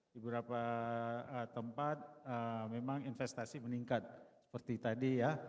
di beberapa tempat memang investasi meningkat seperti tadi ya